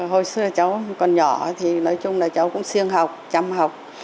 hồi xưa cháu còn nhỏ thì nói chung là cháu cũng siêng học chăm học